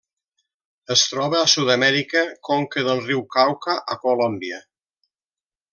Es troba a Sud-amèrica: conca del riu Cauca a Colòmbia.